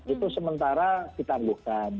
itu sementara ditanggungkan